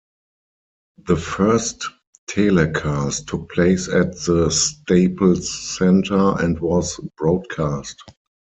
The first telecast took place at the Staples Center and was broadcast.